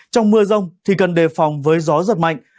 trong mưa rông thì cần đề phòng với gió giật mạnh